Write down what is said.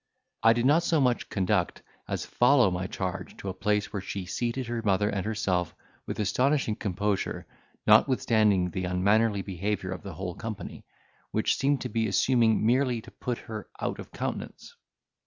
I did not so much conduct as follow my charge to a place where she seated her mother and herself with astonishing composure notwithstanding the unmannerly behaviour of the whole company, which seemed to be assumed merely to put her out of countenance.